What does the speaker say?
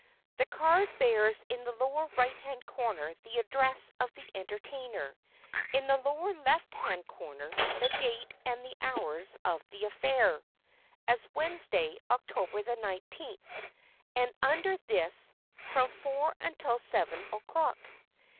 The card bears in the lower right hand corner the address of the entertainer; in the lower left hand corner the date and the hours of the affair,—as "Wednesday, October the nineteenth," and under this "From four until seven o'clock."